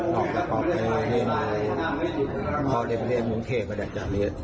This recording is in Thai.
นอกจากเขาไปเรียนมเด็กเรียนมงเขตมาแดดจากนี้